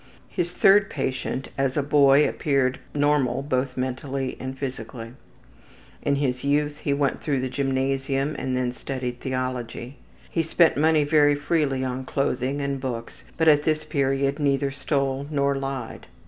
His third patient as a boy appeared normal both mentally and physically. In his youth he went through the gymnasium and then studied theology. He spent money very freely on clothing and books, but at this period neither stole nor lied.